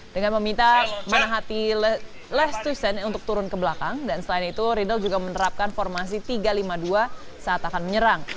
dengan meminta menahati lestusen untuk turun ke belakang dan selain itu riedel juga menerapkan formasi tiga lima dua saat akan menyerang